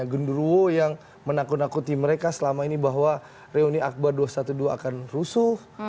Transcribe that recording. gendurowo yang menakut nakuti mereka selama ini bahwa reuni akbar dua ratus dua belas akan rusuh